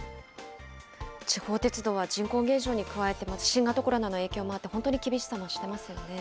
地方鉄道は人口減少に加えて、新型コロナの影響もあって、本当に厳しさ増してますよね。